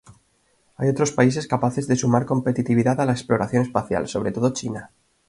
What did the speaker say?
Hay otros países capaces de sumar competitividad a la exploración espacial, sobre todo China.